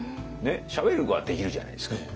しゃべることはできるじゃないですか。